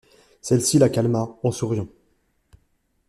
Celle-ci la calma, en souriant.